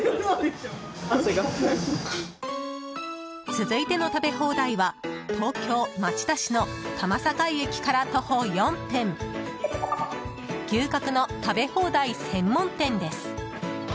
続いての食べ放題は東京・町田市の多摩境駅から徒歩４分牛角の食べ放題専門店です。